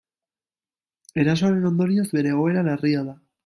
Erasoaren ondorioz, bere egoera larria da.